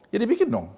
ya dibikin dong